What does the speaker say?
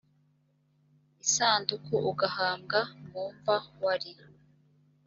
isanduku ugahambwa mu mva wari